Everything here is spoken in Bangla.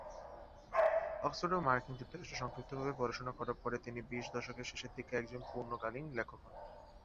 অক্সফোর্ড এবং মার্কিন যুক্তরাষ্ট্রে সংক্ষিপ্তভাবে পড়াশোনা করার পরে তিনি বিশ দশকের শেষের দিকে একজন পূর্ণকালীন লেখক হন।